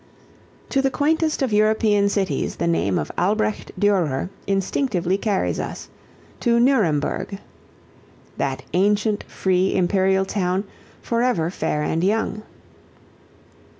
To the quaintest of European cities the name of Albrecht Durer instinctively carries us to Nuremberg. "That ancient, free, imperial town, Forever fair and young."